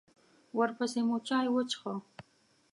ورپسې مو چای وڅښه.